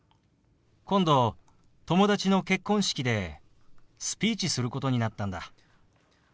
今度友達の結婚式でスピーチすることになったんだ。